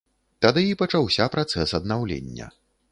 Тады і пачаўся працэс аднаўлення.